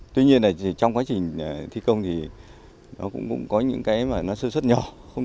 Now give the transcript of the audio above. tuy nhiên là trong quá trình thi công thì nó cũng có những cái mà nó sơ xuất nhỏ